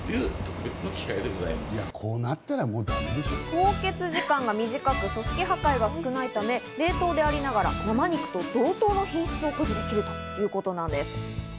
凍結時間が短く組織破壊が少ないため、冷凍でありながら生肉と同等の品質を保持できるということなんです。